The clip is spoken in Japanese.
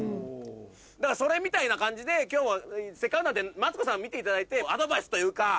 だからそれみたいな感じで今日はせっかくなんでマツコさん見ていただいて。